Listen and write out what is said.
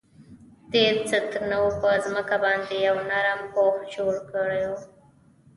دې ستنو په ځمکه باندې یو نرم پوښ جوړ کړی و